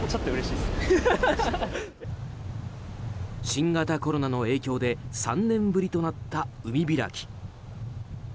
新型コロナの影響で３年ぶりとなった海開き。